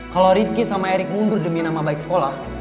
kalau rifki sama erick mundur demi nama baik sekolah